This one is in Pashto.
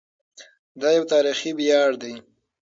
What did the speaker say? دا یو تاریخي ویاړ دی.